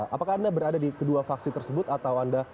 apakah anda berada di kedua faksi tersebut atau anda